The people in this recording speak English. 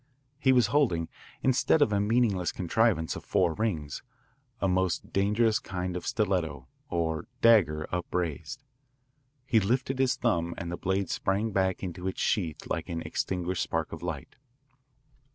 He was holding, instead of a meaningless contrivance of four rings, a most dangerous kind of stiletto or dagger upraised. He lifted his thumb and the blade sprang back into its sheath like an extinguished spark of light.